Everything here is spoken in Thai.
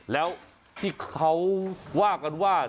แล้วที่เขาว่ากันว่า